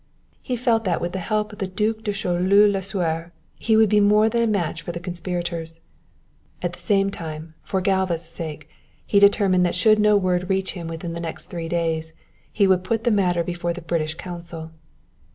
He felt that, with the help of the Duc de Choleaux Lasuer, he would be more than a match for the conspirators. At the same time, for Galva's sake, he determined that should no word reach him within the next three days he would put the matter before the British Consul.